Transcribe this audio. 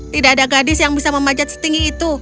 tidak ada gadis yang bisa memanjat setinggi itu